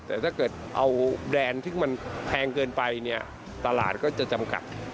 แต่ถ้าเกิดเอาแบรนด์ที่มันแพงเกินไปเนี่ยตลาดก็จะจำกัด